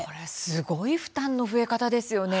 すごい負担の増え方ですね。